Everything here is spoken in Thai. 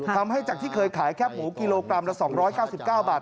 ทำให้จากที่เคยขายแคบหมูกิโลกรัมละ๒๙๙บาท